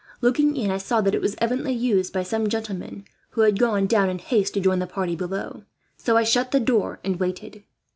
Looking in, I saw that it was evidently used by some gentlemen who had gone down, in haste, to join the party below; so I shut the door and waited.